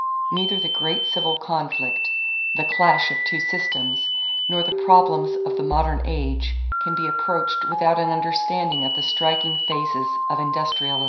Neither the great civil conflict the clash of two systems nor the problems of the modern age can be approached without an understanding of the striking phases of industrialism.